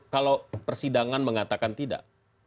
kalau persidangan mengatakan tidak